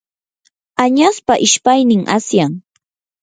añaspa ishpaynin asyan.